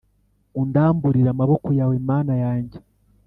undamburire amaboko yawe mana yanjye